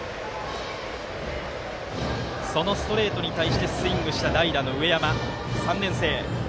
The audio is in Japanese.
そのストレートに対してスイングした代打の上山、３年生。